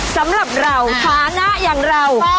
สำหรับเราทางหน้ายังเรา